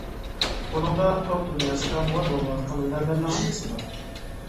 بۇنىڭدا تور دۇنياسىدا مودا بولۇۋاتقان ھۈنەرلەرنىڭ ھەممىسى بار.